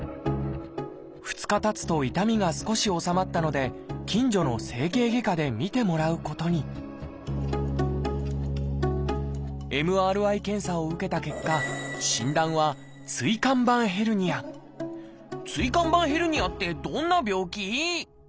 ２日たつと痛みが少し治まったので近所の整形外科で診てもらうことにＭＲＩ検査を受けた結果診断は椎間板ヘルニアってどんな病気？